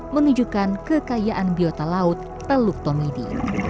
menunjukkan kekayaan biota laut teluk tomidi